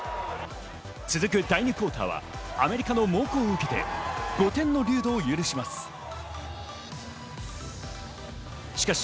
続く第２クオーターはアメリカの猛攻を受けて、５点のリードを許します。